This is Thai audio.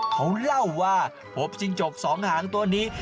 เขาเล่าว่าพบจิ้งจกสองหางตัวนี้